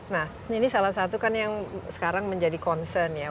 nah jadi salah satu kan yang sekarang menjadi concern ya